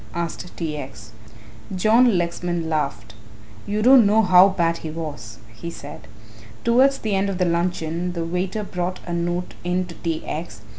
asked T. X. John Lexman laughed. "You don't know how bad he was," he said. Towards the end of the luncheon the waiter brought a note in to T. X.